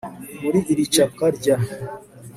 muri iri capwa rya